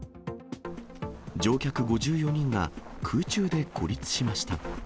乗客５４人が、空中で孤立しました。